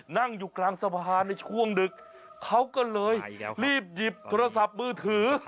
นั่งอยู่กลางสะพานในช่วงดึกเขาก็เลยรีบหยิบโทรศัพท์มือถือ